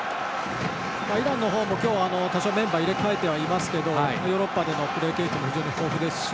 イランも今日、多少メンバー入れ替えていますがヨーロッパでのプレー経験も豊富ですし。